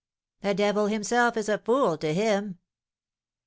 "The devil himself is a fool to him!"